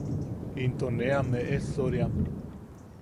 Into ne am e’esoriam.